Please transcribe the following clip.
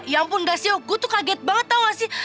ya ampun gak siho gue tuh kaget banget tau gak sih